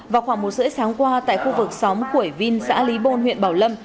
vào khoảng một h ba mươi sáng qua tại khu vực xóm củi vinh xã lý bôn huyện bảo lâm